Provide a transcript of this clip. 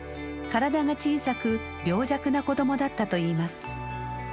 体が小さく病弱な子どもだったといいます。